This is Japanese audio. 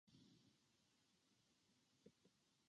サンタクロースが真夏に現れて、「クリスマスはいつでもいい」と笑った。